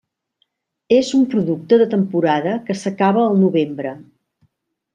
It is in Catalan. És un producte de temporada que s'acaba al novembre.